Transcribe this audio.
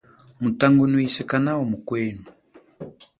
Mutangunwise kanawa mukwenu.